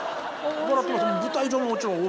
笑ってます。